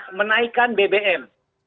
pemerintah menaikkan bbm